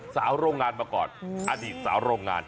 โรงงานมาก่อนอดีตสาวโรงงาน